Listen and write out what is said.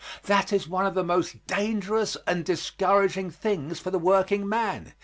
That is one of the most dangerous and discouraging things for the working man.